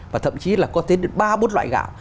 và thậm chí là có thể đến ba bốn loại gạo